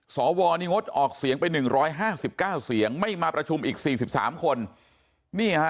สวนี่งดออกเสียงไป๑๕๙เสียงไม่มาประชุมอีก๔๓คนนี่ฮะ